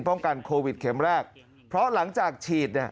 ป้องกันโควิดเข็มแรกเพราะหลังจากฉีด